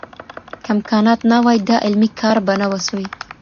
که امکانات نه وای، دا علمي کار به نه و سوی.